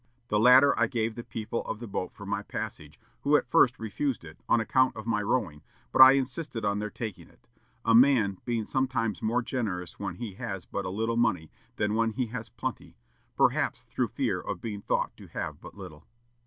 The latter I gave the people of the boat for my passage, who at first refused it, on account of my rowing, but I insisted on their taking it; a man being sometimes more generous when he has but a little money than when he has plenty, perhaps through fear of being thought to have but little.